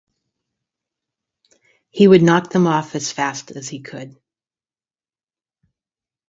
He would knock them off as fast as he could.